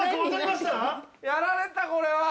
やられた、これは。